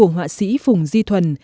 họa sĩ phùng di thuần